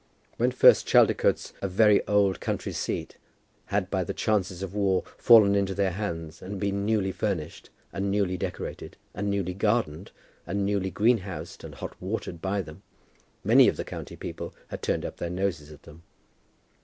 When first Chaldicotes, a very old country seat, had by the chances of war fallen into their hands and been newly furnished, and newly decorated, and newly gardened, and newly greenhoused and hot watered by them, many of the county people had turned up their noses at them.